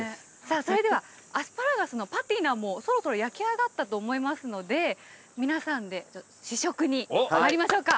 それではアスパラガスのパティナもそろそろ焼き上がったと思いますので皆さんで試食にまいりましょうか。